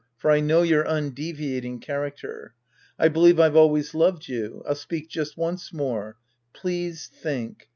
For I know your undeviating character. I believe I've always loved you. I'll speak just once more. Please think.